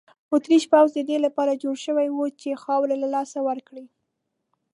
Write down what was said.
اتریشي پوځ د دې لپاره جوړ شوی وو چې خاوره له لاسه ورکړي.